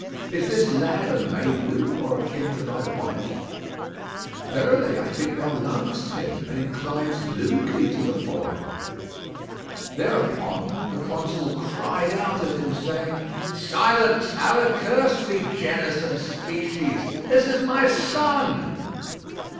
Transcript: Is this lad a Mameluke or akin to thy wife? Verily, I think thou lovest him and inclines lewdly to the boy." Thereupon the Consul cried out at him, saying, "Silence, Allah curse thee, genus and species! This is my son."